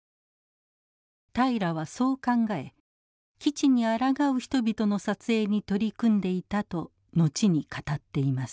平良はそう考え基地にあらがう人々の撮影に取り組んでいたと後に語っています。